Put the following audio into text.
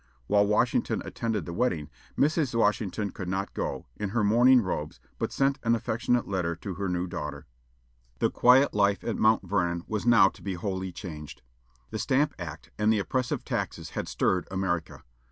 While Washington attended the wedding, Mrs. Washington could not go, in her mourning robes, but sent an affectionate letter to her new daughter. The quiet life at Mount Vernon was now to be wholly changed. The Stamp Act and the oppressive taxes had stirred America.